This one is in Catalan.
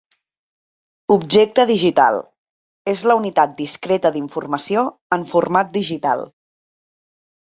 Objecte digital: és la unitat discreta d’informació en format digital.